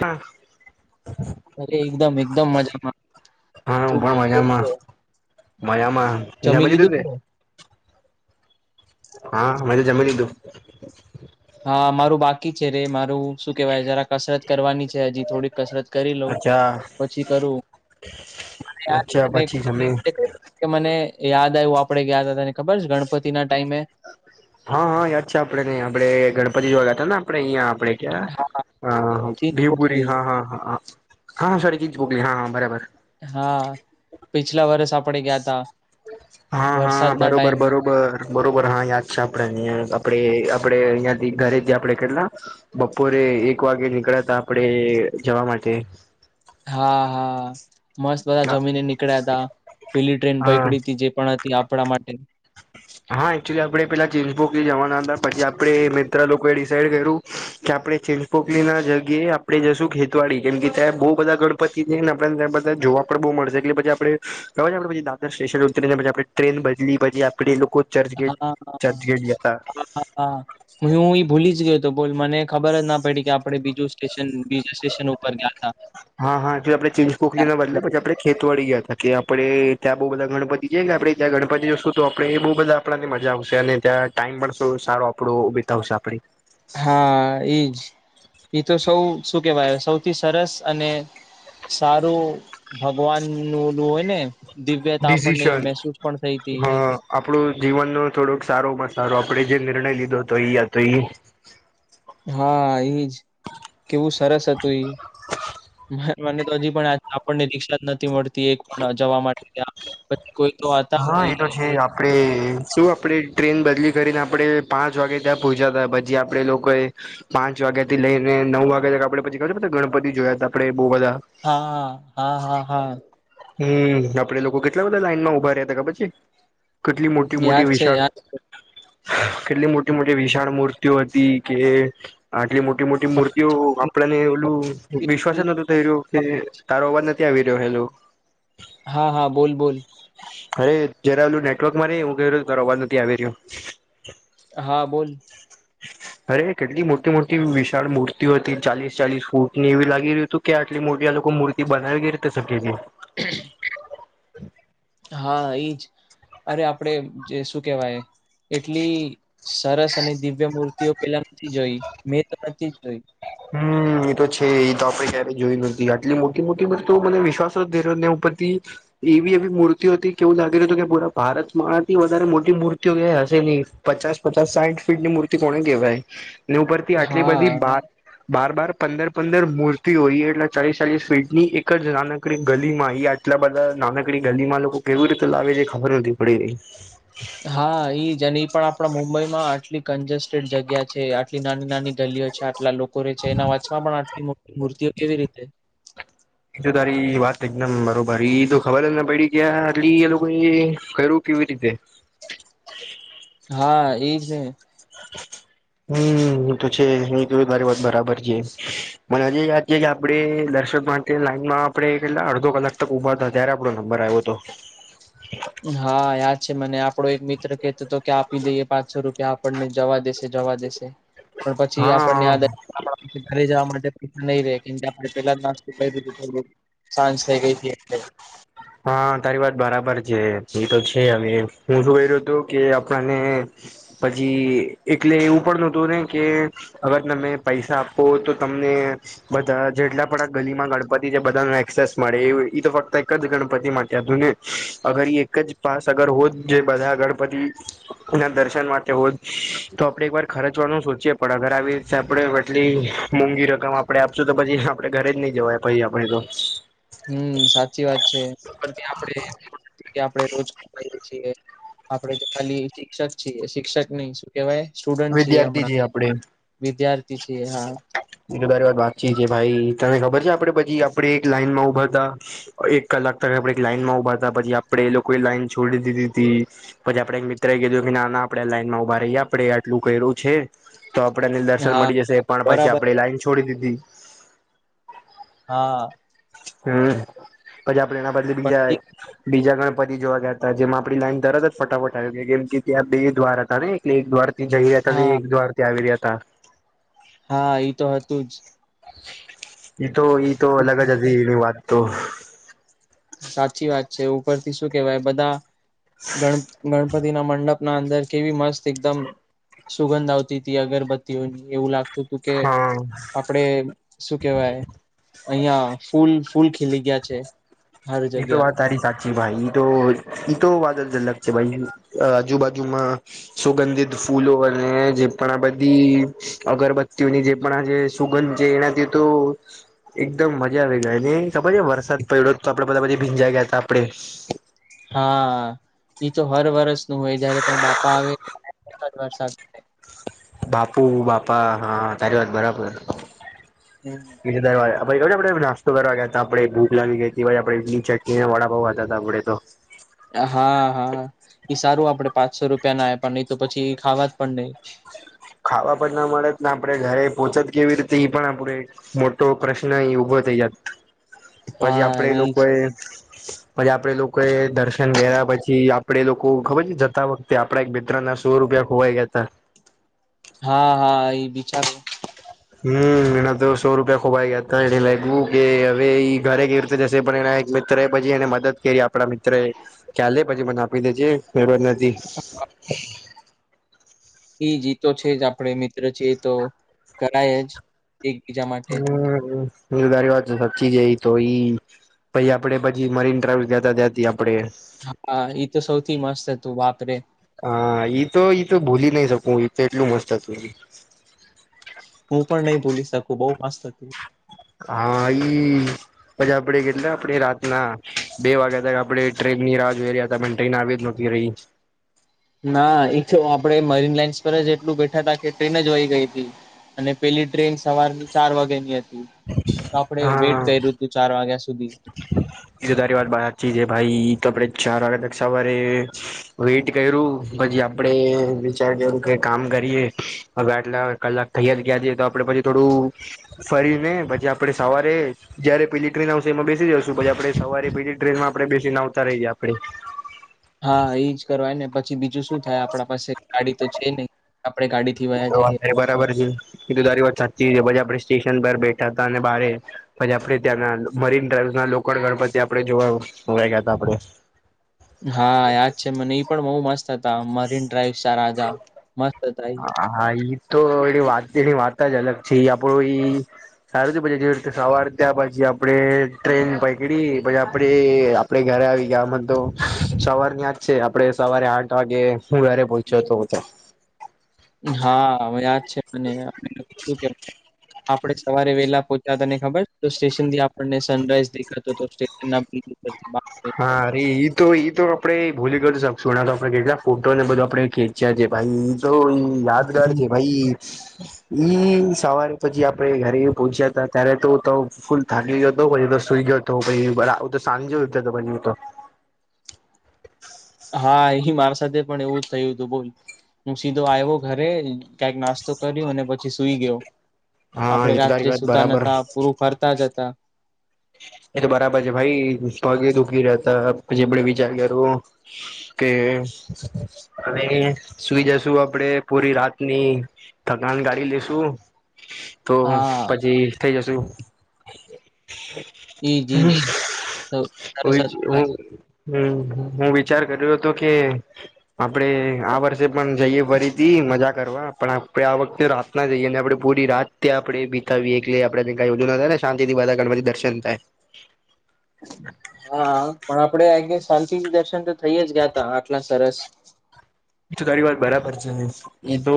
હા અરે એકદમ એકદમ મજામાં. હા હું પણ મજામાં મજામાં જમી જમીન તે લીધું. હા મે તો જમી લીધું. હા મારું બાકી છે રે મારું શું કેવાય જરા કસરત કરવાની છે હજી થોડીક કસરત કરી લઉ અચ્છા પછી કરું અચ્છા પછી જમી [inaudible] કે મને યાદ આવ્યું આપણેે ગયા ત તને ખબર છે ગણપતિ ના ટાઈમે હા હા યાદ છે આપડે ને આપણેે ગણપતિ જોવા ગયા હતા ને આપડે અહીયાં આપણે હા ચીજ ભીવબુરી પોટલી હા હા હા હા સોરી [inaudible] હા હા બરાબર હા પિછલા વર્ષ આપણેે ગયા ત હા હા બરોબર બરોબર બરોબર હા યાદ છે આપડે આપે આપડે અહીંયાથી ઘરે જ આપડે કેટલા બપોરે એક વાગે નીકળ્યા હતા આપડે જવા માટે હા હા મસ્ત બધા જમીને નીકળ્યા હતા પેલી ટ્રેન હા પકડી હતી જે પણ આપણા માટે હા એકચુલી આપડે પેલા ચિમસબુક જવાના હતા પછી આપડે મિત્ર લોકોએ ડિસઇડ કર્યું. કે આપણે ચેંજપોકલી ના જગ્યાએ આપણેે જશું ખેતવાડી કેમ કે ત્યાં બહુ બધા [inaudible] [inaudible] જોવા પણ બઉ મળશે એટલે પછી આપડે આપણે પછી દાદર સ્ટેશન ઉતરીને પછી આપણે ટ્રેન બદલી પછી આપડે લોકો ચર્ચ ગેટ ચર્ચ હા ગેટ ગયા હતા. હા હું ઈ ભૂલી જ ગયો હતો બોલ મને ખબર જ ના પડી કે આપડે બીજું સ્ટેશન બીજા સ્ટેશન ઉપર ગયા તા ખેત વડી ગયા હતા કે આપડે ત્યાં બઉ બધા ગણપતિ છે કે આપડે ત્યાં ગણપતિ ને શું તો આપણે એ બહુ બધા આપણા થી મજા આવશે અને ત્યાં ટાઈમ પણ સારો આપણો વીતાવશે આપણે હા ઈજ ઈતો સૌ શું કેવાય સૌથી સરસ અને સારું ભગવાન નું ઓલું હોય ને દિવ્યતા આપણને ડિસિશન મહેસૂસ પણ થઈ હતી. હા આપણું જીવનનો થોડોક સારોમાં સારો આપણે જે નિર્ણય લીધો હતો એયા તો હા એઈ જ કેવું સરસ હતું ઈ મને તો હજી પણ આપણને રિકક્ષા જ નથી મળતી એક પણ જવા માટે ત્યાં પછી કોઈ તો હતા હા એ ઈ. તો છે આપ આપણે શું આપણે ટ્રેન બદલી કરીને આપણે પાંચ વાગે ત્યાં પહોંચ્યા હતા પછી આપણેે લોકોએ પાંચ વાગ્યા થી લઈને નવ વાગ્યા તા આપણે પછી ગણપતિ જોયા તા આપડે બહુ બધા હા હા હા હા હા હમ આપડે લોકો કેટલા બધા લાઈન માં ઉભા રહ્યા હતા ખબર છે. કેટલી મોટી મોટી યાદ છે વિશાળ યાદ કેટલી મોટી મોટી વિશાળ મૂર્તિઓ હતી કે આટલી મોટી મોટી મૂર્તિઓ આપણને બો- ઓલું વિશ્વાસ જ નતો થઈ રહ્યો કે તારો અવાજ ન આવી રહ્યો [inaudible] હા હા બોલ બોલ અરે જરાલું નેટવર્ક મા‌ [inaudible] અવાજ નથી આવી રહ્યો. હા બોલ [inaudible] અરે કેટલી મોટી મોટી વિશાળ મૂર્તિઓ હતી ચાલીસ ચાલીસ ફૂટ ની એવી લાગી રહ્યું હતું. કે આટલી મોટી આ લોકો મૂર્તિ બનાવી [inaudible] [inaudible] હા એ ઈજ અરે આપડે જે શું કેવાય? એટલી સરસ અને દિવ્ય મૂર્તિઓ પેલા નથી જોઈ મેં તો નથી જોઈ. હમમ એતો છે એ તો આપડે ક્યારેય જોયું નથી આટલી મોટી મોટી વસ્તુ મને વિશ્વાસ ધરવ ઉપર થી એવી એવી મૂર્તિઓ હતી કેવું લાગી રહ્યું હતું કે પૂરા ભારતમાંથી વધારે મોટી મૂર્તિઓ કયા હશે ની. પચાસ પચાસ સાયઠ ફીટની મૂર્તિ કોને કહેવાય ને ઉપરથી આટલી હા બધી બાર બાર બાર પંદર પંદર મૂર્તિ હોય એટલે ચાલીસ ચાલીસ ફીટની એક જ નાનકડી ગલી માં ઈ એટલા બધા નાનકડી ગલીમાં લોકો કેવી રીતે લાવે એ ખબર જ નથી પડી. હા ઈ જ અને ઈ પણ આપણા મુંબઈ માં આટલી કંજેસ્ટ જગ્યા છે આટલી નાની નાની ગલીઓ છે આટલા લોકો રે છે એના વચમાં પણ આટલી મોટી મૂર્તિઓ કેવી રીતે એ તો તારી વાત એકદમ બરોબર ઈ તો ખબર જ ના પડી કે આટલી એ લોકો એ કર્યું કેવી રીતે. હા એજ ને. હમમ એ તો છે એ તમારી વાત બરાબર છે. મને હજી યાદ છે કે આપડે દર્શક માટે લાઈનમાં આપડે કેટલા અડધો કલાક તક ઉભાતા. ત્યારે આપણો નંબર આવ્યો તો. હા યાદ છે મને આપડો એક મિત્ર કેતો તો કે આપી દઈએ પાંનસો રૂપિયા આપણને જવા દેશે. તે જવા દેશે પણ પછી આપણને હા યાદ [unintelligible] ઘરે જવા માટે પૈસા નય રેય કેમ કે આપણે પેલા જ નાસ્તો કરી દીધું થોડક. સાંજ થઇ ગઈ તી એટલે હા તારી વાત બરાબર છે એ તો છે હવે હું શું કર્યું હતું કે આપણને પછી એટલે એવું પણ નોતું ને કે અગર તમે પૈસા આપો તો તમને બધા જેટલા પણ આ ગલી માં ગણપતિ જે બધા નું એક્સેસ મળે એ તો ફક્ત એક જ ગણપતિ ગણપતિ માટે હતું ને અગર એક જ પાસ અગર હોત જે બધા ગણપતિ એ ના દર્શન માટે હોય તો આપડે એક વાર ખર્ચવાનું સોચીએ પણ અગર આવી રીતે આપડે એટલી મોંઘી રકમ આપડે આપશું તો પછી આપડે ઘરે જ નય જવાય પછી આપણેે તો હમમ સાચી વાત છે પણ ત્યાં આપણે આપણે રોજ ખવાએ છીએ. આપડે તો ખાલી શિક્ષક છીએ, શિક્ષક નય શું. કેવાય સ્ટુડન્ટ છીએ વિદ્યાર્થી હમણાં આપણે વિદ્યાર્થી છીએ હા. એ તો બારી બાકી છે ભાઈ તને ખબર છે આપડે પછી આપણે એક લાઈનમાં ઉભા તા. એક કલાક તા આપણે એક લાઈન માં ઉભાતા પછી આપડે એ લોકોએ લાઈન છોડી દીધી તી. પછી આપણે એક મિત્ર એ કીધું કે ના ના આપડે લાઈન માં ઉભા રહીએ આપડે પેલું કર્યું છે તો આપડે ને દર્શન હા મળી જશે પણ પછી બરાબર આપણે લાઈન છોડી દીધી. હા. હમમ પછી આપડે એના બદલે બીજા પણ એ- બીજા ગણપતિ જોવા ગીતા જેમાં આપડી લાઈન તરત જ ફટાફટ લાગી કેમ કે ત્યાં બે દ્વાર હતા ને એટલે એક દ્વાર થી જઈ રહ્યા હતા હા એક દ્વાર થી આવી રહ્યા હતા. હા ઈ તો હતું જ. ઈ ઈ તો અલગ જ હતી એની વાત તો સાચી વાત છે ઉપરથી શું કેવાય બધા ગણ ગણ ગણપતિ ના મંડપના અંદર કેવી મસ્ત એકદમ સુગંધ આવતી તી અગરબત્તીઓની એવું લાગતું હતું કે હા આપડે શું કેહેવાય અહિયાં ફૂલ ફૂલ ખીલી ગીયા છે. હર એ તો જગ્યા વાત તારી સાચ જી ભાઈ ઈ તો ઈ તો વાત જ અલગ છે ભાઈ આજુબાજુમાં સુગંધિત ફૂલો અને જે પણ આ બધી અગરબત્તીઓની જે પણ આ જે સુગંધ જે એનાથી તો એકદમ મજા આવી ગય ને ખબર છે વરસાદ પડડ્યો ને પછી ભીંજાય ગયા તા આપડે. હા ઈ તો હર વર્ષ નું હોય જયારે પણ બાપા આવે વરસાદ વરસાદ. થાય બાપુ બાપા હા તારી વાત બરાબર. હમ્મ [unintelligible] નાસ્તો કરવા ગયા હતા આપણેે ભૂખ લાગી ગઈ હતી આપ ચકી વાડા પતા હતા આપડે તો. હા હા સારું આપણેે પાંચસો રૂપિયા ના પણ નહી તો પછી એ ખાવા જ પણ નહી. ખાવા પણ ના મળેત ને આપડણે ઘરે પોહોંચત કેવી રીતે પણ આપડે મોટો પ્રશ્ન અહી ઉઊભો થઈ જત પછી હા આપડે લોકો એજ એ પછી આપડે લોકો એ દર્શન કર્યા પછી આપડે લોકો ખબર છે જતા વખતે તે આપડા એક મિત્ર ના સો રૂપિયા ખોવાઈ ગયા હતા. હા હા એ બીચાર હમ્મ એના તો સો રૂપિયા ખોવાઈ ગયા હતા એને લાગ્યું કે હવે ઘરે કે રીતે જશે પણ એના મિત્ર એ પછી એને મદદ કરી આપડા મિત્ર એ ક્યાલે પછી મને આપી દેજેર નથી. [inaudible] એ જી તો છે જ આપણે મિત્ર છે એ તો કરાય જ એકબીજા માટે હમ્મ એ તારી વાત તો સચીજ એ તો ઈ. પછી આપડે પછી મરીન ટ્રાવેલ ગતા જતી આપડે. હા એ તો સૌથી મસ્ત હતું બાપ રે હા ઈ તો ઈ તો ભૂલી નઈ શકું તો એટલું મસ્ત હતું. હું પણ નહી ભૂલી શકું બઉ મસ્ત હત હા ઈ પછી આપડે કેટલા આપણે રાતના બે વાગ્યા તક આપણેે ટ્રેનની રાહ જોઈ રહ્યા હતા ટ્રેન આવી જ [unintelligible] રહી. ના ઈ છ આપડે મરીન લાઈન્સ પર જ એટલું બેઠા હતા કે ટ્રેન જ વય ગઈ હતી. અને પેલી ટ્રેન સવારની ચાર વાગ્યા ની હતી તો આપડે વેઇટ કર્યું હતું ચાર વાગ્યા સુધી. ઈ તારી વાત વાચી છે ભાઈ કપડે ચાર વાગ તક સવારે વેટ કર્યું પછી આપડે વિચાર કરું કે કામ કરીએ હવે આટલા કલાક થયા જ ગયા જએ તો આપડે પછી થોડું ફરી ને પછી આપડે સવારે જયારે પેલી ટ્રેન આવશે એમાં બેસી જઉશું પછી આપડે સવારે પછી ટ્રેનમાં આપણે બેસીને આવતા રહી જાયએ આપડે હા ઈ જ કરવાય ને પછી બીજું શું થાય આપણા પાસે ગાડી તો છે નહી આપે ગાડી થી વયા જઈએ. અતારે બરાબર છે એ તો તારી વાત સાચીછ આપડે સ્ટેશન પર બેઠા હતા અને બારે પછી આપણે ત્યાંના મરીન ડ્રાઈવસ ના લોકડ ગણપતિ આપે જોવાવા ગયા હતા આપડે. હા યાદ છે મને એ પણ બહુ મસ્ત હતા મરીન ડ્રાઈવ સારા જા મસ્ત હતા ઈ. હા ઈ તો એની વાત એની વાત જ અલગ છે એ આપડું ઈ સારું પછી જેવી રીતે સવાર ત્યાં પછી આપડે ટ્રેન પૈકડી પછી આપડે આપે ઘરે આવી ગયામાં તો સવાર આજ છે આપડે સવારે આઠ વાગે હું ઘરે પહોંચ્યો હતો તો. હા યાદ છે મને કે [unintelligible] આપડે સવારે વેલા પોહોંચ્યા હતા ને ખબર તો સ્ટેશન થી આપણને સનરાઈઝ દેખાતો તો સ્ટેશન ના [unintelligible] હા અરે ઈ તો ઈ તો આપડે ભૂલી કરી શકશું એના તો આપડે કેટલા ફોટો ને બધું આપડે [unintelligible] છે ભાઈ ઈ તો યાદગાર હમ્મ. છે ભાઈ. ઈ સવારે પછી આપણે ઘરે પહોંચ્યા હતા ત્યારે તો ફૂલ થાકી ગીયો તો પછી સુઈ ગયો હતો પછ તો સાંજે હતો પછ તો. હા એ મારા સાથે પણ એવું જ થયું હતું બોલ હું સીધો આવ્યો ઘરે કંક નાસ્તો [unintelligible] કર્યો અને પછી સુઈ ગયો હા આપડે એ તો તારી રાત્રે વાત સુતા બરાબર નતા પૂરું ફરતા જ હતા. એ તો બરાબર છે ભાઈ પગે દુખી રહતા પછી આપડે વિચાર કરું કે હવે સુઈ જશું આપડે પૂરી રાતની થકાન ગાડી લેશુ તો હા, પછી થઈ જશુ. એજ એજ. [unintelligible] તો સરસ હતું ભાઈ. હમ હું વિચાર કર્યો હતો કે આપડે આ વર્ષે પણ જઈએ ફરીથી મજા કરવા પણ આપડણે આ વખતે રાત ના જઈએ અને આપડણે પૂરી રાત આપડણે બીતાવીએ એટલે આપડને કઈ ઓધું ના થાય ને શાંતિ થી બધા ગણપતિ દર્શન થાય હા પણ આપડે આ ગ શાંતિ દર્શન તો થઈ જ ગયા ત આટલા સરસ તો તારી વાત બરાબર છે ને એ તો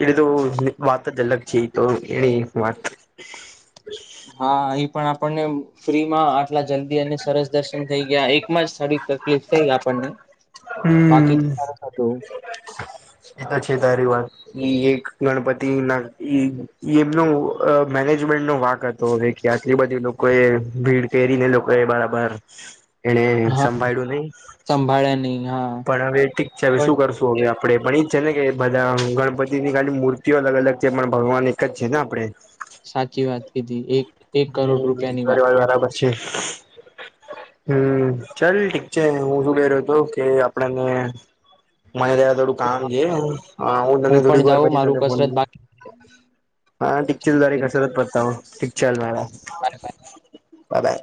એની તો વાત જ અલગ છે એ તો એની વાત હા એહી પણ આપણને ફ્રીમાં આટલા જલ્દી અને સરસ દર્શન થઈ ગયા એકમાં જ સ પ્લી થ આપણને બાકી હમ તો સરસ હતું. એ તો છે તારી વાત એક ગણપતિ ના એમનો મેનેજમેન્ટ નો વાક હતો તો ભ કે આટલી બધી લોકો એ ભીડ કેરીને લોકો એ બરાબર એને હા સંભાળળ્યું નહી સંભાળ્યા ન હા પણ હવે ઠીક છે હવે પણ શું કરશું હવે આપણેે પણ એજ છે ને કે બધા ગણપતિની ખાલી મૂર્તિઓ અલગ અલગ છે પણ ભગવાન એક જ છે ને આપણે સાચી વાત કીધી એક એક કરોડ હમ રૂપિયાની ઘરી વાત વાળ બરાબર છે હમ ચાલ ઠીક છે હું શું કર્યો હતો કે આપણને મને ત થોડું કામ છે હું ત થોડીક પણ વાર જાઉં પછ મારું ફોન કસરત બાકી હા ટિકચલ દ્વારા બાય કસરત પડતા હું ટિકચલ બાય. દ્વારા બાય